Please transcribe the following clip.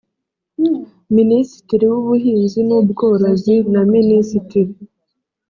minisitiri w ubuhinzi n ubworozi na minisitiri